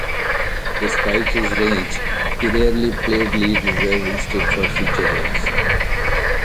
Despite his range, he rarely played lead, reserved instead for feature roles.